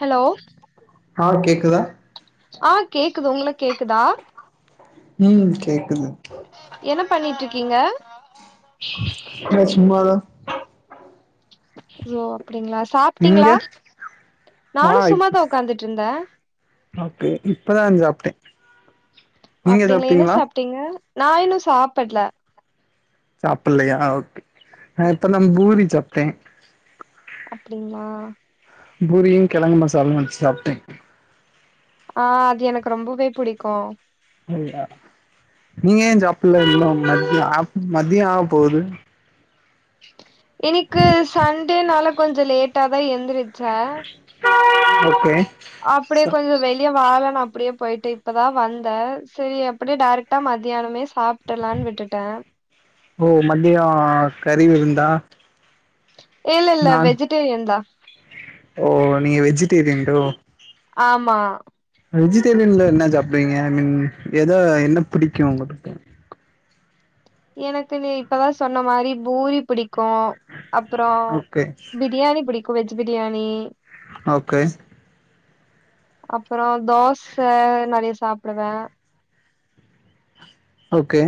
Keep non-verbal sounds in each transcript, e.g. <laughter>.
Hello ஆ கேக்குதா ஆஹ் கேக்குது உங்க கேக்குதா ஹம் கேக்குது என்ன பண்ணிட்டு இருக்கீங்க <unintelligible> சும்மாதா யோ அப்படிங்களா நீங்க சாப்பிட்டீங்களா ஆ நானும் இப் சும்மாதா உட்கார்ந்துட்டு இருந்தேன் ஓகே இப்பதான் சாப்பிட்டேன் அப்படிங்களா என்ன சாப்பிட்டீங்க நா இன்னு சாப்பிடல சாப்பல்லைய ஆஹ் நம் புரி ச்ப்பிட்டே அப்படிங்களா பூரியும் கிழங்கு மசாலு வச்சு சாப்பிட்டே ஆ அது எனக்கு ரொம்பவே புடிக்கு நீங்க ஏன் சாப்பல இருந்தும் மதியம் மதியம் ஆக போகுது இன்னைக்கு சண்டே நாளை கொஞ்சம் லேட்டா தான் எழுந்தருது ஓகே அப்படியே ச கொஞ்சம் வெளியே வாழன்ன அப்படியே போயிட்டு இப்பதா வந்த செரி அப்படியெ டேரெக்டா மத்தியானமே ஓ மதிய க <inaudible> தா இல்ல இல்ல வெஜிட்டேரியன் தா ஓ நீங்க வெஜிட்டேரியன்டோ ஆமா வெஜிடேரியன்ல என்ன சாப்பிடுவீங்க ஐமீன் ஏத என்ன பிடிக்கும் உங்களுக்கு எனக்கு நீ இப்பதான் சொன்ன மாதிரி பூரி பிடிக்கும் உம் அப்புறம் ஓகே பிரியாணி பிடிக்கும் வெஜ் பிரியாணி ஓகே அப்புற தோச நறைய சாப்பிடுவே ஓகே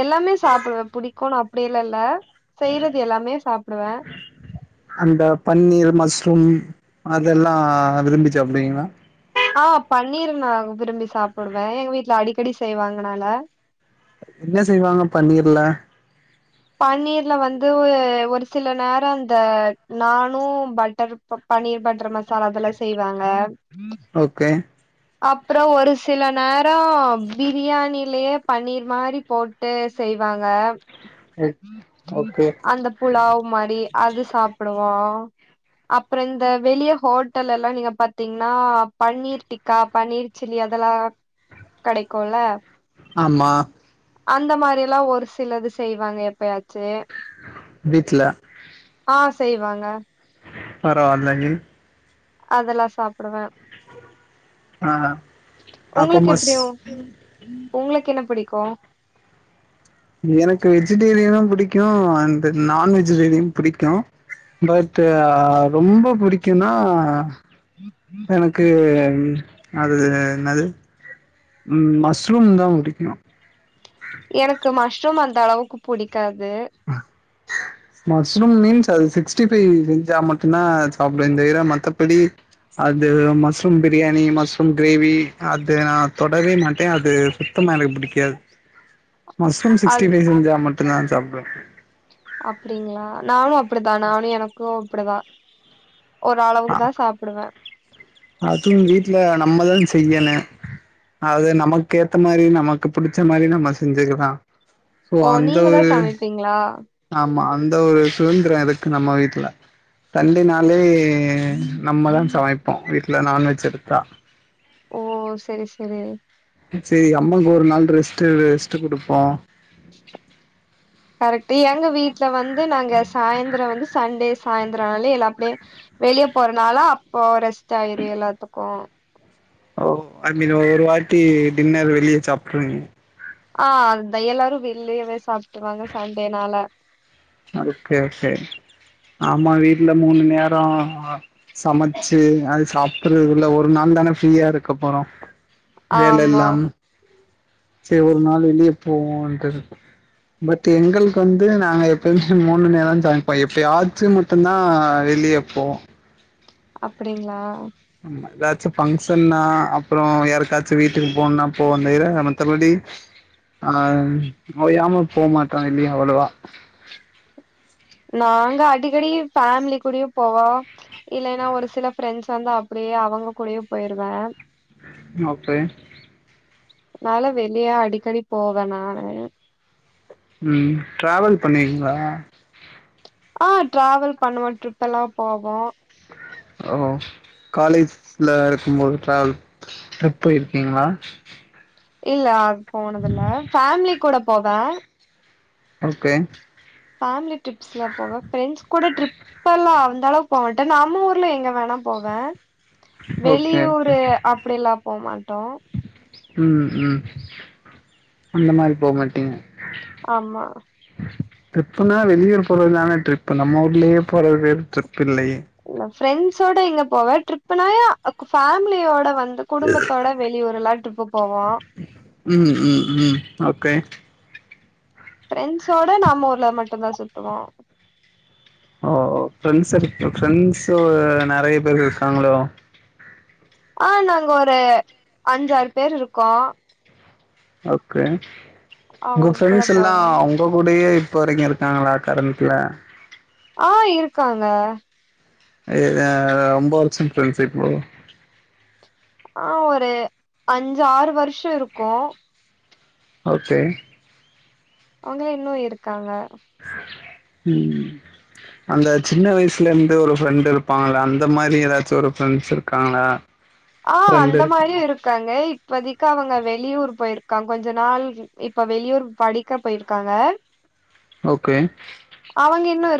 எல்லாமே சாப்பிடு புடிக்கு அப்படியல்ல இல்ல செய்யறது எல்லாமே சாப்பிடுவேன் அந்த பன்னீர் மஸ்ரூம் அதெல்லாம் விரும்பிச்சு சாப்பிடுவீங்க ஆ பன்னீர் நா விரும்பி சாப்பிடுவே எங்க வீட்டுல அடிக்கடி செய்வாங்னால என்ன செய்வாங்க பன்னீர்ல பன்னீர்ல வந்து ஒரு சில நேரம் அந்த நானும் பட்டர் பன்னீர் பட்டர் மசாலா அதெல்லாம் செய்வாங்க ஓகே அப்புறம் ஒரு சில நேர பிரியாணிலயே பன்னீர் மாதிரி போட்டு செய்வாங்க ஓ ஓகே. அந்த புலாவ் மாதிரி அது சாப்பிடுவோம் அப்புற இந்த வெளிய ஹோட்டல் எல்லா நீங்க பாத்தீங்கன்னா பன்னீர் டிக்கா பன்னீர் சில்லி அதெல்லாம் கிடைக்கும் இல்ல ஆமா அந்த மாதிரி எல்லா ஒரு சிலது செய்வாங்க எப்பயாச்சு வீட்டுல ஆ செய்வாங்க பரவ அல்லங்கி <inaudible> அதெல்லாம் சாப்பிடுவேன் ஆ அப்போ உங்களுக்கு மஸ் எப்படியும் உங்களுக்கு என்ன பிடிக்கும் கோ எனக்கு வெஜிடேரியனு பிடிக்கு அட் நான் வெஜிடேரியனு பிடிக்கு பட் ரொம்ப புடிக்கும்னா எனக்கு அது என்னது உ மஸ்ரூம் தா புடிக்கு ற்றும் அந்த அளவுக்கு புடிக்கு அது மஸ்்ரூம் மீன்ஸ் அது சிக்ஸ்டி ஃபைவ் செஞ்சா மட்டுும்்தான் சாப்பிடுவே இந்த விிர மத்தபடி அது மஸ்்ரூம் பிரியாணி மஸ்்ரூம் கிரேவி அது நான் தொடவே மாட்டேன் அது சுத்தமா எனக்கு பிடிக்காது <inaudible> மஸ்ரூம் சிக்ஸ்டி அது பைஸ் ஜாமுன் பத்தனான் சப்ப ஹ அப்படிங்களா நானு இப்படிதான் நானும் எனக்கும் இப்படிதான் ஆ அது வீட்ல நம்மத செய்யணு அது நமக்கேத்த மாரி நமக்கு புடுச்ச மாரி நம்ம செஞ்சுக்கலா சோ ஓ நீங்க தா சமைப்பீங்ளா? மா அந்த ஒரு சுதந்திர இருக்கு நம்ம வீட்ல சண்டென்னாலே நம்மதா சமைப்போ வீட்ல நான்வெஜ் எடுத்தா ஓ செரி செரி செரி அம்மக்கு ஒரு நாள் ரெஸ்ட்டு ரெஸ்ட்டு குடுப்போ கரெக்ட் டு‌எங்க வீட்ல வந்து நாங்க சாயந்தர வந்து சண்டே சாயந்தர ஆனாலெ எல்லாப்டே வெளிய போறனால அப்போ ரெஸ் டாயிரு எல்லாத்துக்கு ஓ ஐமீன ஒரு வாட்டி டின்னரு வெளிய சாப்ட்ருவிங்க ஆ அத எல்லாரு வெள்ளயவே சாப்ட்ருவாங்க சண்டேனால ஒகே ஒகே ஆமா வீட்ல மூணு நேரொ சமச்சு அது சாப் ட்றதுக்குல்ல ஒரு நாள் தான ஃப்ரீயா இருக்க போறோ ஆமா வேலெல்லாம சே ஒரு நாள் வெளிய போவோன்ட்டுர் பட் எங்கள்க்கு வந்து நாங்க எப் பமே மூணு நேர சமைப்பொ எப்பயாச்சு மட்டுந்தா வெளிய போவொ அப்பிடிங்ளா எதாச்சு பங்க்ஷன்னா அப்றொ யாருக்காச்சு வீட்டுக்கு போன்னா போவொந்தவிர மத்தபடி ஆனா ஓயாம போமாட்றொ வெளிய அவ்ளவா நாங்க அடிக்கடி ஃபேமிலி கூடயு போவோ இல்லைன்னா ஒரு சில ஃப்ரெண்ட்ஸ் வந்து அப்டியே அவுங்க கூடயு போய்ருவே ஓகே நாலா வெளிய அடிக்கடி போவ நானு ம் ட்ராவல் பண்ணுவிங்ளா? ஆ ட்ராவல் பண்ணுவொ ட்ரிப் எல்லா போவோ ஓ காலேஜ்ல இருக்கும்போது ட்ராவல் ட்ரிப் போயிருக்கீங்ளா? இல்ல அது போனதுல்ல ஃபேமிலி கூட போவ ஓகே ஃபேமிலி ட்ரிப்ஸ்லா போவ ஃப்ரெண்ட்ஸ் கூட ட்ரிப்பல்லா அந் த அளவுக் போமாட்டே நம்ம ஊர்ல எங்க வேணா போவே ஓகே வெளியூரு ஓகே அப்டில்லா போமாட்டோ ம் ம் அந்த மாரி போமாட்டீங்க ஆமா ட்ரிப்புனா வெளியூர் போறதுதான ட்ரிப்பு நம்ம ஊர்லயே போறது பேர் ட்ரிப் பில்லயே ஃப்ரெண்ஸோட எங்க போவ ட்ரிப்புன்னாயா ஃபேம்லியோட வ போவோ ம் ம் ம் ஓகே ஃப்ரெண்ட்ஸோட நம்ம ஊர்ல மட்டுதா சுத்துவோ ஓ ஃப்ரெண்ட்ஸ் ஃப்ரெண்ட்ஸ் நிறைய பேர் இருக்காங்களோ ஆஹ நாங்க ஒரு அஞ்சாறு பேர் இருக்கோம் ஓகே உங்க அவங்க கூட ப்ரெண்ஸ் எல்லா போவோ உங்க கூடே இப்போ வரைக்கு இருக்காங்களா கரண்டல ஆஹ் இருக்காங்க எஎது ரொம்ப வருஷம் ப்ரெண்ட்சிப்பு ஆஹ் ஒரு அஞ்சு ஆறு வருஷோ இருக்கும் ஓகே அவங்கள இன்ன இருக்காங்க உஹம் அந்த சின்ன வயசுல இருந்து ஒரு ஃப்ரெண்ட் இருப்பாங்களா அந்த மாதிரி ஏதாச்சும் ஒரு ஃப்ரெண்ட்ஸ் இருக்காங்களா ஆஹ் ஃப்ரெண்ட் அந்த இருக் மாரியு இருக்காங்க இப்பதைக் அவங்க வெளியூர் போயிருகாங்க கொஞ்ச நாள் இப்ப வெளியூர் படிக்க போயிருக்காங்க ஓகே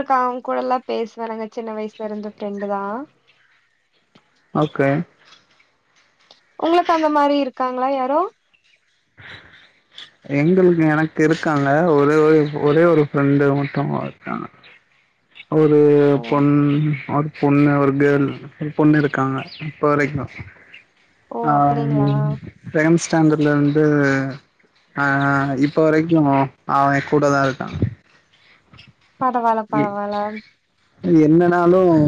அக்க அவன் கூட எல்லாம் பேசுவறங்க சின்ன வயசுல இருந்த ஃப்ரெண்டு தான் ஓகே உங்களுக்கு அந்த மாதிரி இருக்காங்களா யாரோ எங்களுக்கு எனக்கு இருக்கல ஒரே ஒரு ஒரே ஒரு ஃப்ரெண்டு மட்டும் இருக்காங்க ஒரு ஓ பொண் அடுத்து பொண்ணு ஒரு கேள் பொண்ணு இருக்காங்க இப்ப வரைக்கும் ஓ ஆஹ் அப்டிங்களா பிரம்ஸ் தந்துலன் இருந்தூ ஆஹ் இப்போ வரைக்கு அவ கூடதா இருக்கான் பரவாயில்ல பரவல என்னனாலும்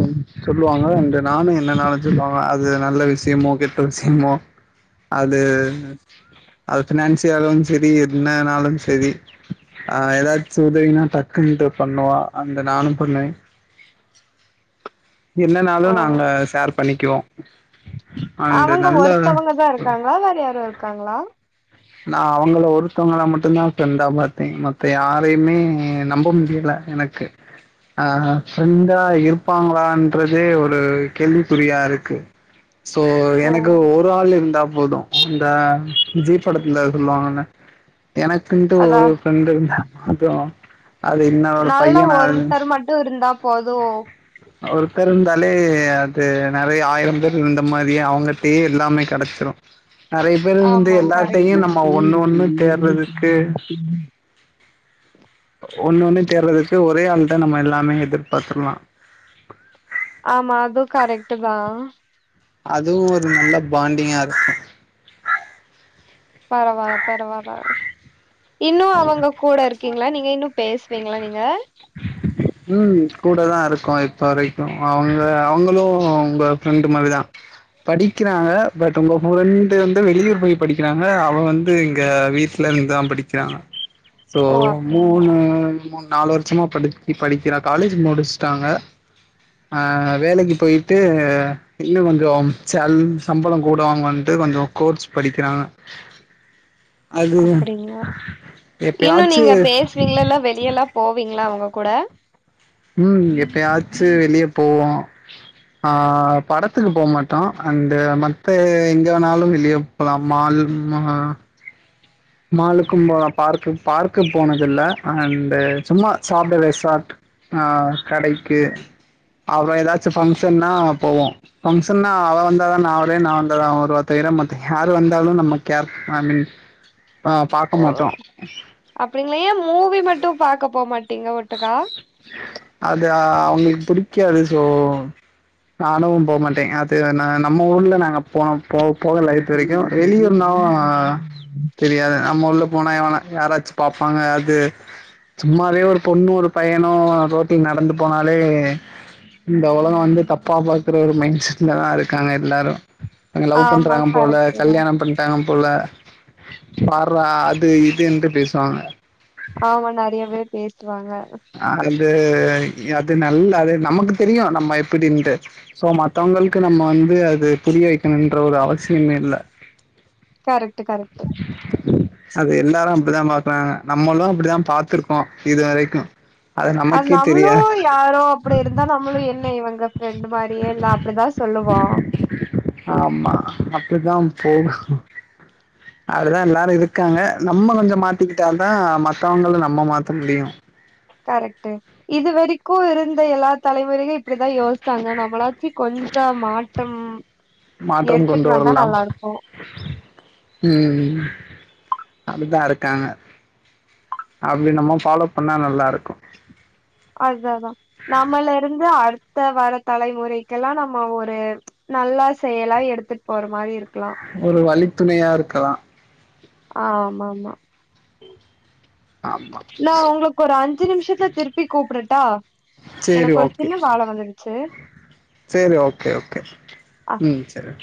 சொல்லுவாங்க ரண்டு நானும் என்னனாலும் சொல்லுவாங்க அது நல்ல விஷயமோ கெட்ட விஷயமோ அது அது பினான்சியாலும் சரி என்னனாலும் சரி அஹ ஏதாச்சும் உதவினா டக்குன்னட்டு பண்ணுவா அந்த நானும் பொண்ணேன் ஓ என்னனாலும் நாங்கள் ஷேர் பண்ணிக்குவோம் <unintelligible> அவங்க ஒருத்தவங்க தான் இருக்காங்களா வேற யாரும் இருக்காங்களா நான் அவங்கள ஒருத்தவங்களளை மட்டும்தான் ஃப்ரெண்டா பார்த்தேன் மத்த யாரையுமே நம்ப முடியலை எனக்கு அஹ் ஃப்ரெண்டா இருப்பாங்களான்ன்றதே ஒரு கேள்விக்குறியா இருக்கு சோ ஓ எனக்கு ஒரு ஆள் இருந்தா போதும் இந்த ஜீப் படத்துல சொல்லுவாங்கன்ன எனக்குன்ட்டு அதா ஒரு ஃப்ரண்ட் இல்ல அப்புறம் நல்ல ஒருத்தர் மட்டும் இருந்தா போதும் ஒருத்தர் இருந்தாலே அது நிறைய ஆயிரம் பேர் இருந்த மாரியே அவங்ட்டயே எல்லாமே கெடச்டு நிறைய பேரு வந்து ஆமா எல்லா த்தையு நம்ம கரெக்ட்டு ஒண்ணு ஒண்ணு தேட்றதுக்கு ஒண்ணு ஒண்ணு தேட்றதுக்கு ஒரு ஒரே ஆள்கிட்ட நம்ம எல்லாமே எதிர்பாத்துரலா. ஆமா அதுவு கரெக்ட்டுதா. அதுவு ஒரு நல்ல பாண்டிங்கா இ்ருக்கு. பரவால்ல பரவால்ல. இன்னு அவங்க கூட இருக்கீங்களா நீங்க இன்னு பேசுவீங்களா நீங்க? ம் கூடதா இருக்கோ இப்ப வரைக்கு அவங்க அவங்களு உங்க ஃப்ரெண்டு மாரிதா படிக்கிறாங்க பட் உங்க ஃப்ரெண்டு வந்து வெளியூர் போய் படிக்கிறாங்க அவங்க வந்து இங்க வீட்ல இருந்துதா படிக் கிறாங்க. சோ ஓ அப்டிங்களா மூணு மூணு நாலு வருஷமா படிக்கி படிக்கிறா. காலேஜ் முடிச்சுட்டாங்க ஆ வேலைக்கு போயிட்டு இன்னு கொஞ்சம் சேல் சம்பளம் போடுவாங்கன்ட்டு கொஞ்சோ கோர்ஸ் படிக்கிறாங்க. அது களா இன்னு எப்பயாச்சு நீங்க பேசுவீங்களல்ல வெளியல்லா போவீங்களா அவங்க கூட ம் எப்பயாச்சு வெளிய போவோ. ஆ படத்துக்கு போக மாட்டோ அண்ட் மத்த எங்க வேண்ணாலு வெளிய போலா மால் மா மாலுக்கும் போலா பார்க்கு பார்க்கு போனது இல்ல அண்டு் சும்மா சாப்ட ரெசார்ட் ஆ கடைக்கு அப்றோ ஏதாச்சு பங்க்ஷன்னா போவோ. பங்க்ஷனா அவ வந்தாதா நா வருவே நா வந்தாதா அவ வருவா தவிர மத்த யார் வந்தாலு நம்ம கேர் ஐ மீன் அ பாக்க ஓ மாட்டோம். அப்ப நீங்க ஏன் மூவி மட்டு பாக்க போமாட் டீங்க ஒட்டுக்கா? அது அவங்களுக்கு புடிக்காது. சோ நானு போக மாட்டே அது ந நம்ம ஊர்ல நாங்க போன போ போகல இதுவரைக்கு வெளியூர்னா தெரியாது நம்ம உள்ள போனா எவனா யாராச்சு பாப்பாங்க அது சும்மாவே ஒரு பொண்ணு ஒரு பையனு ரோட்ல நடந்து போனாலே இந்த ஒலகோ வந்து தப்பா பாக்கற ஒரு மைண்ட்செட்லதா இருக்காங்க எல்லாரு. அவுங்க லவ் ஆமா பண்றாங்க போல கரெக்ட்டு தா கல்யாணம் பண்ணிட்டாங்க போல பார்றா அது இதுன்ட்டு பேசுவாங்க. ஆமா நெறையவே பேசு ஆ அது ஆ அது நல்ல அது நமக்கு தெரியு நம்ம எப்படின்ட்டு சோ மத்தவங்களுக்கு நம்ம வந்து அது புரிய வைக்கணுன்ற ஒரு அவசியமே இல்ல. Correct correct. அது எல்லாரு அப்டிதா பாக்குறாங்க நம்மளு அப்டிதா பாத்துருக்கோ இதுவரைக்கு. அது நம்மளு யாரோ அப்டி இருந்தா நம்மளு என்ன இவங்க ஃப்ரெண்ட் மாரியே இல்ல அப்டிதா சொல்லுவோ. ஆமா அப்பிடிதா போகு. அப்டிதா எல்லாரு இருக்காங்க. நம்ம கொஞ்ச மாத்திக்கிட்டாதா மத்தவங்கள நம்ம மாத்த முடியு. கரெக்ட்டு இதுவரைக்கு இருந்த எல்லா தலைமுறையு இப்பிடிதா யோசிச்சாங்க. நம்மளாச்சு கொஞ்ச மாற்றம் மாற்றம் கொண்டு எடுத்துட்டு வந்தா வரலாம். நல்லா இருக்கு ம் அப்டிதா இருக்காங்க. அப்டி நம்ம ஃபாலோ பண்ணா நல்லா இருக்கு. அதா அதா. நம்மல்ல இருந்து அடுத்த வர தலைமுறைக்கெல்லா நம்ம ஒரு நல்லா செயலா எடுத்துட் போற மாரி இரு ஒரு வழித் துணையா இருக்கலா. ஆமா நான் உங்களுக்கு ஒரு அஞ்சு நிமிஷத்துல திருப்பி கூப்பிடட்டா சரி எனக்கு ஒரு ஓகே சின்ன வேல வந்துருச்சு சரி ஓகே ஓகே அஹ ம் சரி